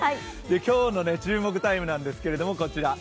今日の注目タイムなんですけども、こちら。